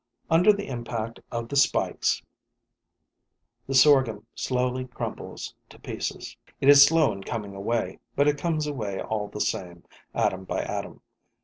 Under the impact of the spikes, the sorghum slowly crumbles to pieces. It is slow in coming away; but it comes away all the same, atom by atom.